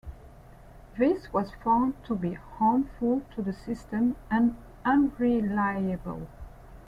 This was found to be harmful to the system and unreliable.